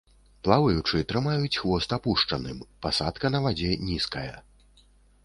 Плаваючы, трымаюць хвост апушчаным, пасадка на вадзе нізкая.